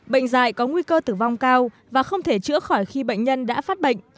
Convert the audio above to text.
bệnh dạy có nguy cơ tử vong cao và không thể chữa khỏi khi bệnh nhân đã phát bệnh